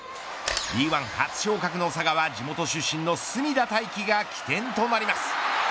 Ｂ１初昇格の佐賀は地元出身の角田太輝が起点となります。